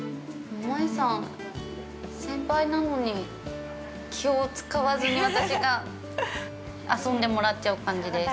◆もえさん、先輩なのに気を使わずに私が遊んでもらっちゃう感じです。